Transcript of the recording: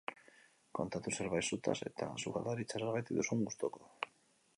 Kontatu zerbait zutaz eta sukaldaritza zergatik duzun gustuko.